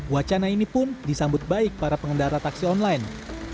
wacana ini pun disambut baik para pengendara taksi online